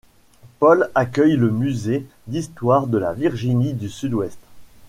Paul accueille le musée d'histoire de la Virginie du Sud-Ouest.